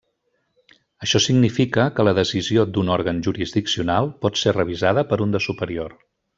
Això significa que la decisió d'un òrgan jurisdiccional pot ser revisada per un de superior.